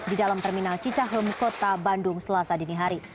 di dalam terminal cicahem kota bandung selasa dinihari